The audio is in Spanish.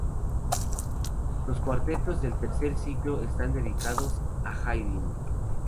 Los cuartetos del tercer ciclo están dedicados a Haydn.